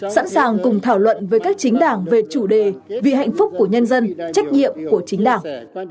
sẵn sàng cùng thảo luận với các chính đảng về chủ đề vì hạnh phúc của nhân dân trách nhiệm của chính đảng